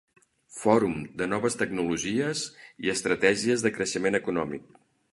Fòrum de noves tecnologies i estratègies de creixement econòmic.